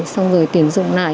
xong rồi tuyển dụng lại